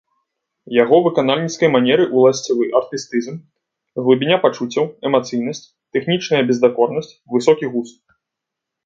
Яго выканальніцкай манеры ўласцівы артыстызм, глыбіня пачуццяў, эмацыйнасць, тэхнічная бездакорнасць, высокі густ.